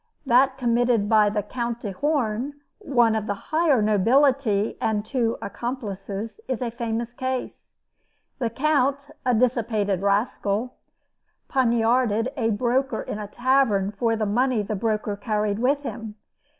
That committed by the Count de Horn, one of the higher nobility and two accomplices, is a famous case. The Count, a dissipated rascal, poniarded a broker in a tavern for the money the broker carried with him.